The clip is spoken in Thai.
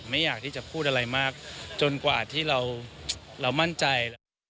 อยากที่จะพูดอะไรมากจนกว่าที่เรามั่นใจ